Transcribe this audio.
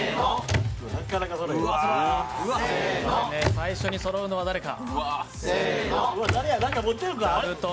最初にそろうのは誰か。